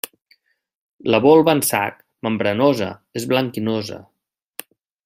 La volva en sac, membranosa, és blanquinosa.